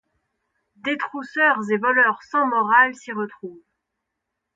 Détrousseurs et voleurs sans morales s'y retrouvent.